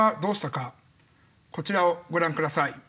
こちらをご覧下さい。